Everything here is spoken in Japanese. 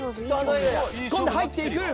突っ込んで入っていく。